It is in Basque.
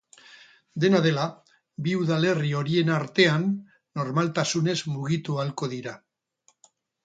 Dena dela, bi udalerri horien artean normaltasunez mugitu ahalko dira.